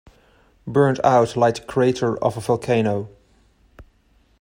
Burnt out like the crater of a volcano.